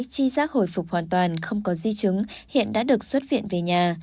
chi giác hồi phục hoàn toàn không có di chứng hiện đã được xuất viện về nhà